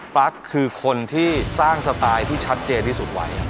ลั๊กคือคนที่สร้างสไตล์ที่ชัดเจนที่สุดไว้